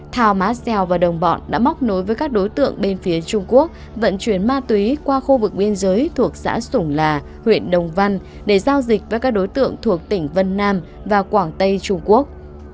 thao má xeo và đồng bọn đã móc nối với các đối tượng bên phía trung quốc vận chuyển ma túy qua khu vực biên giới thuộc xã sủng là huyện đồng văn để giao dịch với các đối tượng thuộc tỉnh vân nam và quảng tây trung quốc